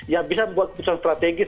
yang bisa membuat keputusan strategis